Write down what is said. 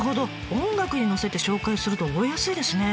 音楽にのせて紹介すると覚えやすいですね。